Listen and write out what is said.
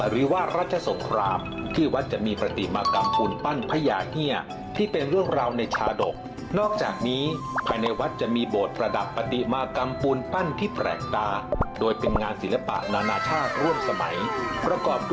รูปปั้นพญาตัวเงินตัวทองครับ